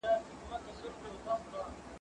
زه د کتابتون لپاره کار کړي دي،